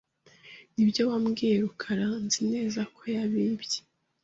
Nibyo wabwiye Rukara, Nzi neza koyabibye.